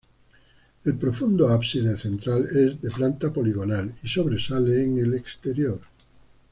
El profundo ábside central es de planta poligonal, y sobresale en el exterior.